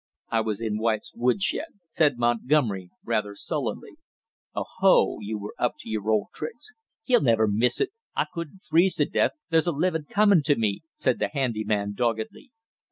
"I was in White's woodshed," said Montgomery rather sullenly. "Oh, ho, you were up to your old tricks!" "He'll never miss it; I couldn't freeze to death; there's a livin' comin' to me," said the handy man doggedly.